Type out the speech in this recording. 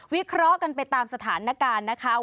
เคราะห์กันไปตามสถานการณ์นะคะ